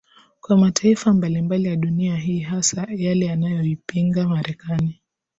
Kwa mataifa mbalimbali ya Dunia hii hasa yale yanayoipinga Marekani